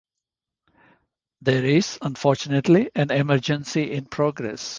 There is, unfortunately, an emergency in progress.